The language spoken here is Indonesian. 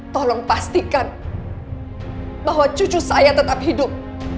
tolong pastikan bahwa cucu saya tetap hidup